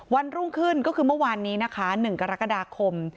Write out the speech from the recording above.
วันรุ่งขึ้นก็คือเมื่อวานนี้นะคะ๑กรกฎาคม